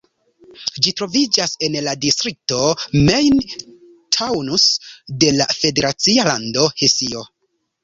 Ĝi troviĝas en la distrikto Main-Taunus de la federacia lando Hesio.